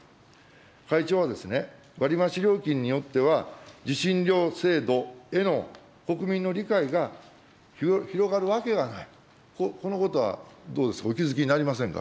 会長は、割増料金によっては、受信料制度への国民の理解が広がるわけがない、このことは、どうですか、お気付きになりませんか。